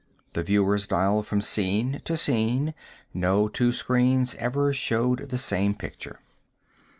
The viewers dialed from scene to scene; no two screens ever showed the same picture.